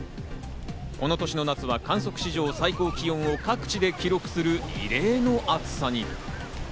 この年の夏は観測史上最高気温を各地で記録する異例の暑さに。